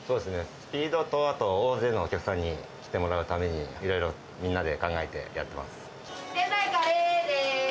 スピードと、あと大勢のお客さんに来てもらうために、いろいろみんなで考えて店内カレーです。